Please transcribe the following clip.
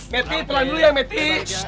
meti terang dulu ya meti